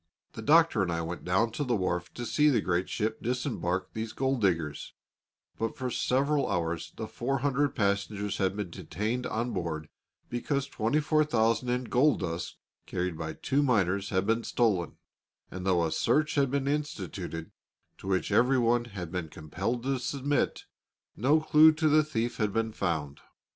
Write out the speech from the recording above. The Doctor and I went down to the wharf to see the great ship disembark these gold diggers; but for several hours the four hundred passengers had been detained on board because $24,000 in gold dust, carried by two miners, had been stolen; and though a search had been instituted, to which everyone had been compelled to submit, no clue to the thief had been found.